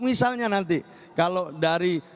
misalnya nanti kalau dari